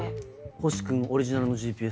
星君オリジナルのＧＰＳ。